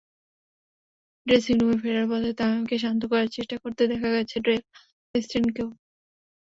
ড্রেসিংরুমে ফেরার পথে তামিমকে শান্ত করার চেষ্টা করতে দেখা গেছে ডেল স্টেইনকেও।